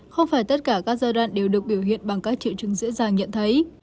không phải tất cả các giai đoạn đều được biểu hiện bằng các triệu chứng dễ dàng nhận thấy